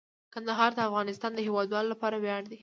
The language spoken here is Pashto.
کندهار د افغانستان د هیوادوالو لپاره ویاړ دی.